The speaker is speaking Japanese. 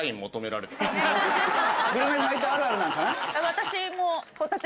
私も。